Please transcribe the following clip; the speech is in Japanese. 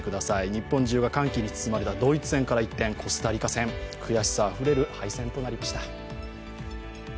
日本中が歓喜に包まれたドイツ戦から一転、コスタリカ戦悔しさあふれる敗戦となりました。